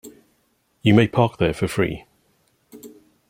You may park there for free.